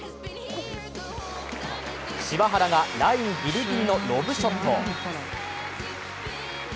柴原がラインギリギリのロブショット。